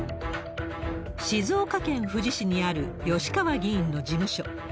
静岡県富士市にある吉川議員の事務所。